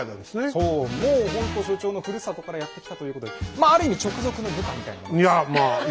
そうもうほんと所長のふるさとからやって来たということでまあある意味直属の部下みたいなことです。